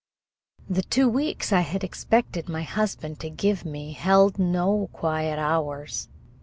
The two weeks I had expected my husband to give me held no quiet hours.